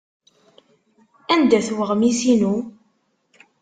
Anda-t weɣmis-inu?